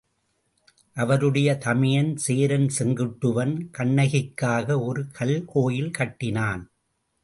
அவருடைய தமையன் சேரன் செங்குட்டுவன் கண்ணகிக்காக ஒரு கல் கோயில் கட்டினான்.